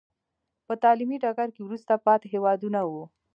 په تعلیمي ډګر کې وروسته پاتې هېوادونه وو.